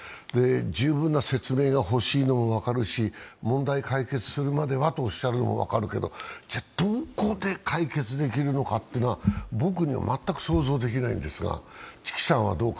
十分な説明がほしいのも分かるし、問題を解決するまではとおっしゃるのも分かるけど、じゃ、どう解決できるのかというのは僕には全く想像できないんですが。